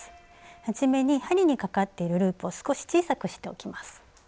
はじめに針にかかっているループを少し小さくしておきます。